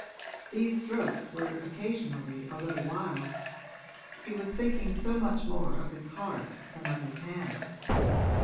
These strokes were occasionally a little wild; he was thinking so much more of his heart than of his hand.